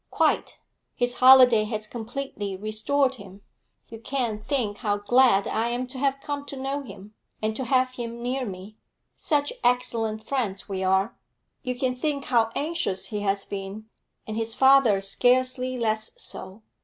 'Quite; his holiday has completely restored him. You can't think how glad I am to have come to know him, and to have him near me. Such excellent friends we are! You can think how anxious he has been; and his father scarcely less so.